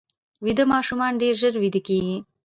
ویده ماشومان ډېر ژر ویده کېږي